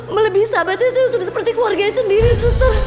mbak lebih sahabatnya saya sudah seperti keluarga sendiri suster